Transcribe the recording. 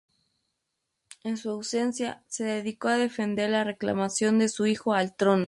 En su ausencia, se dedicó a defender la reclamación de su hijo al trono.